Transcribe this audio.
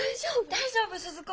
大丈夫鈴子？